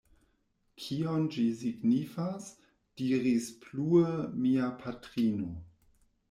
Kion ĝi signifas? diris plue mia patrino.